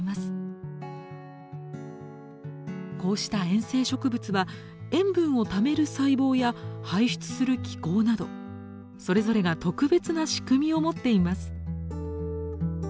こうした塩生植物は塩分をためる細胞や排出する機構などそれぞれが特別な仕組みを持っています。